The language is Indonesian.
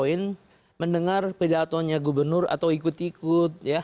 karena saya dengar pedatonya gubernur atau ikut ikut